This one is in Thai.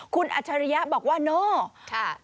คุณอัจฉริยะบอกว่าโน่